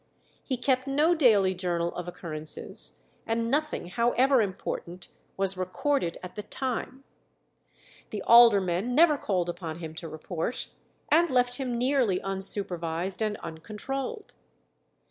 He kept no daily journal of occurrences, and nothing, however important, was recorded at the time. The aldermen never called upon him to report, and left him nearly unsupervised and uncontrolled.